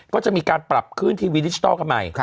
ก็จะมีการปรับขึ้นทีวีดิจิทัลกันใหม่